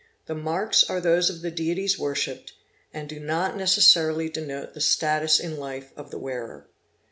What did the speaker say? The marks are those of the dieties worshipped and do not necessarily denote the status in life of the wearer.